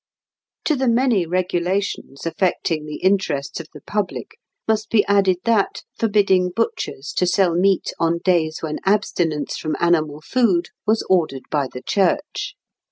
To the many regulations affecting the interests of the public must be added that forbidding butchers to sell meat on days when abstinence from animal food was ordered by the Church.